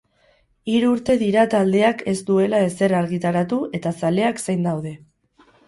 Hiru urte dira taldeak ez duela ezer argitaratu eta zaleak zain daude.